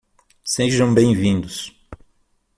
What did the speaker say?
Sejam bem-vindos!